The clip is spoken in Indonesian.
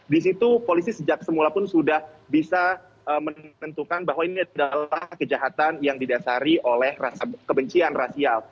di situ polisi sejak semula pun sudah bisa menentukan bahwa ini adalah kejahatan yang didasari oleh rasa kebencian rasial